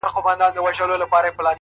خير دی ، دى كه اوسيدونكى ستا د ښار دى،